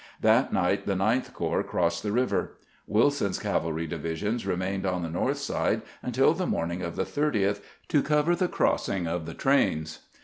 That night the Ninth Corps crossed the river. "Wilson's cavalry division remained on the north side untU the morning of the 30th to cover the crossing of the trains.